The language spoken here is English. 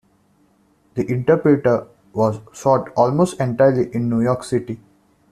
"The Interpreter" was shot almost entirely in New York City.